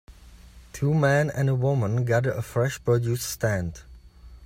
Two men and a woman gather a fresh produce stand.